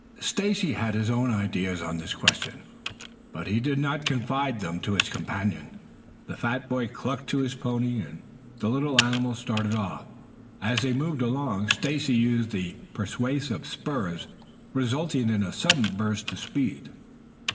Stacy had his own ideas on this question, but he did not confide them to his companion. The fat boy clucked to his pony, and the little animal started off. As they moved along, Stacy used the persuasive spurs resulting in a sudden burst of speed.